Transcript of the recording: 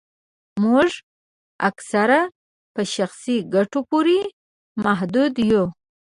موږ اکثره په شخصي ګټو پوري محدود یو